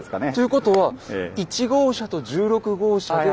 ことは１号車と１６号車で。